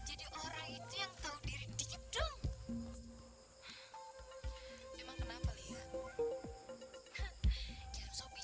udah tahu jatuh miskin